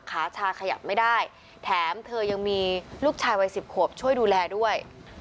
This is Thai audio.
ขาชาขยับไม่ได้แถมเธอยังมีลูกชายวัย๑๐ขวบช่วยดูแลด้วย